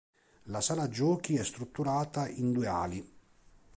La sala giochi è strutturata in due ali.